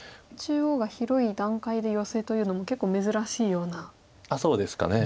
中央が広い段階でヨセというのも結構珍しいような気がしますか。